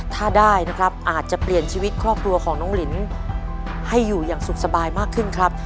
ถ้าได้นะครับอาจจะเปลี่ยนชีวิตครอบครัวของน้องลินให้อยู่อย่างสุขสบายมากขึ้นครับ